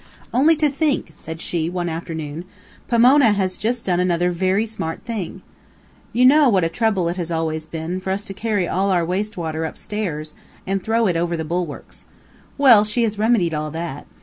"Only to think!" said she, one afternoon, "Pomona has just done another VERY smart thing. You know what a trouble it has always been for us to carry all our waste water upstairs, and throw it over the bulwarks. Well, she has remedied all that.